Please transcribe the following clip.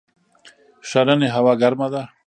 ښرنې هوا ګرمه ده؟